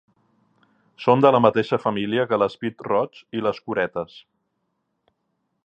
Són de la mateixa família que les pit-roig i les curetes.